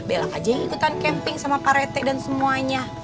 bella aja yang ikutan camping sama pak rete dan semuanya